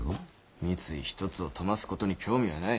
三井一つを富ますことに興味はない。